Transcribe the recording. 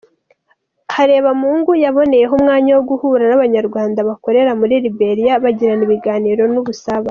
Harebamungu yaboneyeho umwanya wo guhura n’Abanyarwanda bakorera muri Liberia bagirana ibiganiro n’ubusabane.